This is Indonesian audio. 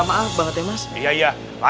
maaf banget ya mas